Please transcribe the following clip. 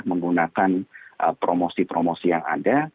menggunakan promosi promosi yang ada